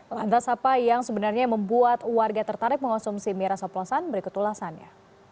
lantas apa yang sebenarnya membuat warga tertarik mengonsumsi miras oplosan berikut ulasannya